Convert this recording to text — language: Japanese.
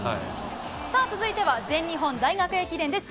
さあ、続いては全日本大学駅伝です。